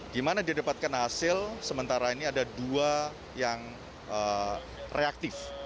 di mana dia dapatkan hasil sementara ini ada dua yang reaktif